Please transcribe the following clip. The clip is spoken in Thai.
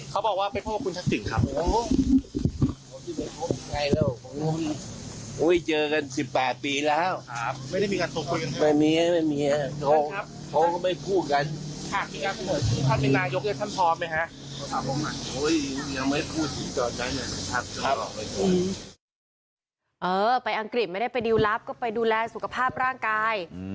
เออไปอังกฤษไม่ได้ไปดิวลับก็ไปดูแลสุขภาพร่างกาย